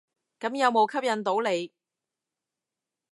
咁有無吸引到你？